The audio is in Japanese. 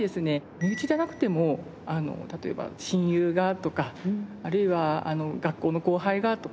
身内じゃなくても例えば親友がとかあるいは学校の後輩がとか。